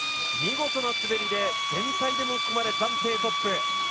見事な滑りで全体でもここまで暫定トップ。